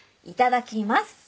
いただきます。